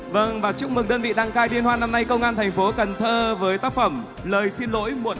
xin được chúc mừng công an thành phố cần thơ với tác phẩm lời xin lỗi muộn